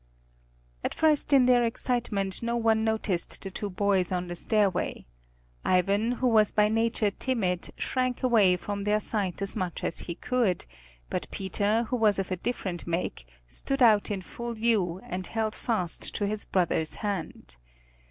At first in their excitement no one noticed the two boys on the stairway. Ivan, who was by nature timid, shrank away from their sight as much as he could, but Peter, who was of a different make, stood out in full view, and held fast to his brother's hand.